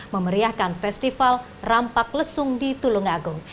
memeriahkan festival rampak lesung di tulung agung